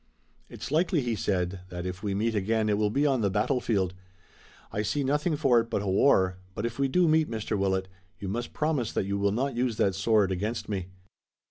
"It's likely," he said, "that if we meet again it will be on the battlefield. I see nothing for it but a war, but if we do meet, Mr. Willet, you must promise that you will not use that sword against me."